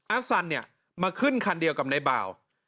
อัศนมาขึ้นคันเดียวกับน้อยบ่าว